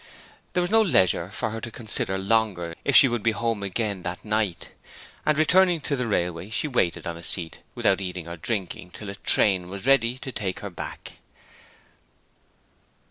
There was no leisure for her to consider longer if she would be home again that night; and returning to the railway she waited on a seat without eating or drinking till a train was ready to take her back.